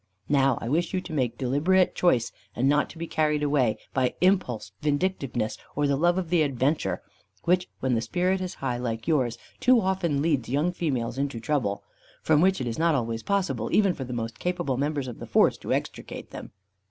Now I wish you to make deliberate choice, and not to be carried away by impulse vindictiveness, or the love of adventure; which, when the spirit is high like yours, too often leads young females into trouble, from which it is not always possible even for the most capable members of the force to extricate them."